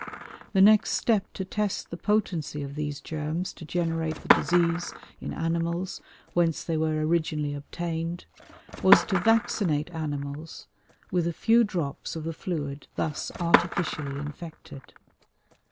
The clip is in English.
The next step to test the potency of these germs to generate the disease in animals whence they were originally obtained, was to vaccinate animals with a few drops of the fluid thus artificially infected.